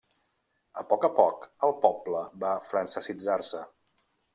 A poc a poc el poble va francesitzar-se.